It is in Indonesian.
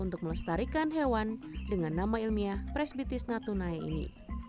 untuk melestarikan hewan dengan nama ilmiah presbitis natunai ini